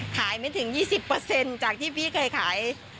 ขายไม่ถึง๒๐จากที่พี่เคยขาย